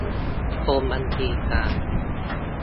กรมบัญชีกลาง